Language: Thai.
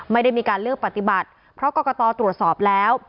ไม่ได้มีการเลือกปฏิบัติเพราะกรกตตรวจสอบแล้ว